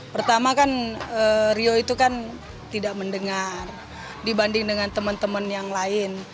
pertama kan rio itu kan tidak mendengar dibanding dengan teman teman yang lain